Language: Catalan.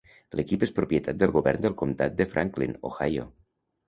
L'equip és propietat del govern del Comptat de Franklin, Ohio.